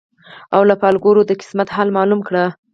او له پالګرو د قسمت حال معلوم کړم